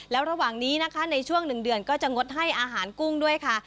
แล้วระหว่างนี้นะคะในช่วง๑เดือนก็จะงดให้อาหารกุ้งด้วยค่ะ